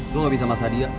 gue gak bisa masak dia